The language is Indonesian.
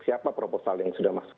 siapa proposal yang sudah masuk